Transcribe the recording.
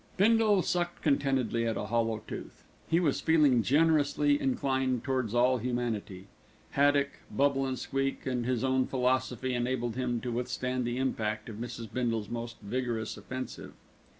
Bindle sucked contentedly at a hollow tooth. He was feeling generously inclined towards all humanity. Haddock, bubble and squeak, and his own philosophy enabled him to withstand the impact of Mrs. Bindle's most vigorous offensive.